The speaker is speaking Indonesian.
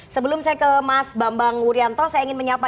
sebelum saya ke mas bambang wuryanto saya ingin menyapa